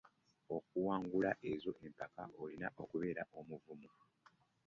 Okuwangula ezo empaka olina okubeera omuvumu.